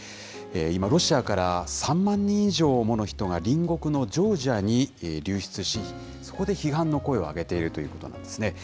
今、ロシアから３万人以上もの人が、隣国のジョージアに流出し、そこで批判の声を上げているということなんですね。